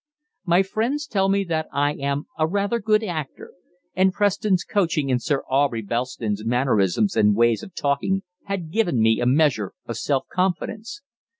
My friends tell me that I am a rather good actor, and Preston's coaching in Sir Aubrey Belston's mannerisms and ways of talking had given me a measure of self confidence.